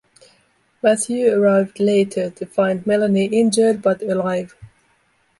Matthew arrived later to find Melanie injured but alive.